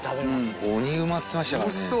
「鬼うま」って言ってましたからね。